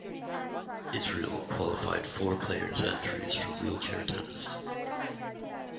Israel qualified four players entries for wheelchair tennis.